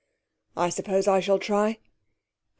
'I suppose I shall try.' 'Good.